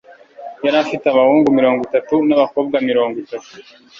yari afite abahungu mirongo itatu n'abakobwa mirongo itatu